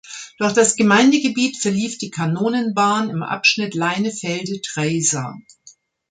Durch das Gemeindegebiet verlief die Kanonenbahn im Abschnitt Leinefelde–Treysa.